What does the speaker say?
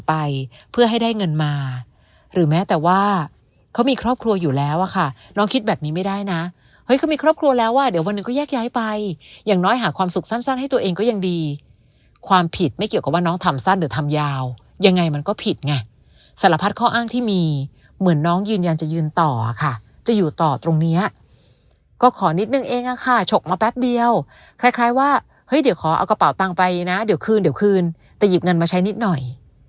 ไปเพื่อให้ได้เงินมาหรือแม้แต่ว่าเขามีครอบครัวอยู่แล้วอ่ะค่ะน้องคิดแบบนี้ไม่ได้นะเฮ้ยเขามีครอบครัวแล้วอ่ะเดี๋ยววันหนึ่งก็แยกย้ายไปอย่างน้อยหาความสุขสั้นให้ตัวเองก็ยังดีความผิดไม่เกี่ยวกับว่าน้องทำสั้นหรือทำยาวยังไงมันก็ผิดไงสารพัดข้ออ้างที่มีเหมือนน้องยืนยันจะยืนต่อค่ะจะอย